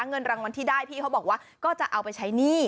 เงินรางวัลที่ได้พี่เขาบอกว่าก็จะเอาไปใช้หนี้